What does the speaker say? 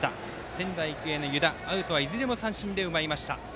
仙台育英の湯田、アウトはいずれも三振で奪いました。